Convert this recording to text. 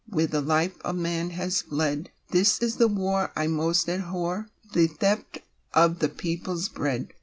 Where the life of man has bled. This is the war I most abhor — The theft of the people's bread